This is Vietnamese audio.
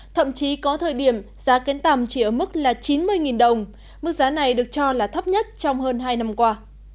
thậm chí có thời điểm giá kén tằm chỉ ở mức là chín mươi đồng mức giá này được cho là thấp nhất trong hơn hai năm qua